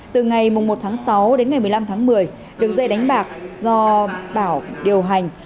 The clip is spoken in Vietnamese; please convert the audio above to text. từ ngày một sáu đến ngày một mươi năm một mươi đường dây đánh bạc do bảo điều hành